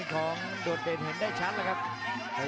โดดเดชน์เห็นได้ชั้นครับครับ